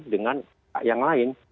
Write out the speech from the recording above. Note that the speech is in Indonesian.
dengan yang lain